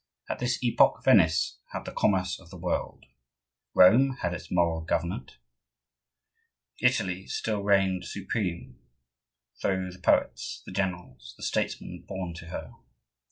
At this epoch Venice had the commerce of the world; Rome had its moral government; Italy still reigned supreme through the poets, the generals, the statesmen born to her.